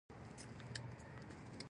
دا سیند د اتبسکا له سیند څخه سرچینه اخلي.